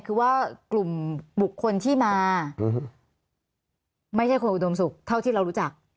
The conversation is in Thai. คือว่ากลุ่มบุคคลที่มาไม่ใช่คนอุดมศุกร์เท่าที่เรารู้จัก